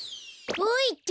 ほいっと！